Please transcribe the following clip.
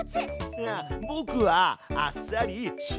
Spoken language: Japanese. いやぼくはあっさり塩で！